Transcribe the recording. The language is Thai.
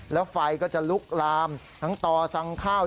แล้วไฟก็จะลุกลามทั้งต่อสั่งข้าว